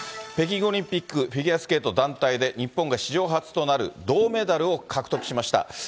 北京オリンピックフィギュアスケート団体で日本が史上初となる銅メダルを獲得しました。